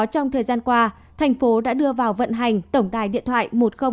trong thời gian qua thành phố đã đưa vào vận hành tổng đài điện thoại một nghìn hai mươi hai